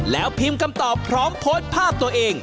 แล้วพิมพ์คำตอบพร้อมโพสต์ภาพตัวเอง